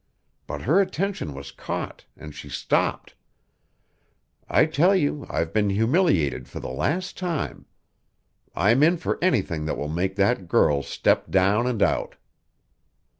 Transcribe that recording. But her attention was caught, and she stopped. I tell you I've been humiliated for the last time. I'm in for anything that will make that girl step down and out.